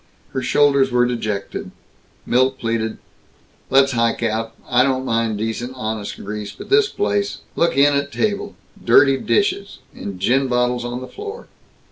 Her shoulders were dejected. Milt pleaded, "Let's hike out. I don't mind decent honest grease, but this place look in at table! Dirty dishes And gin bottles on the floor!"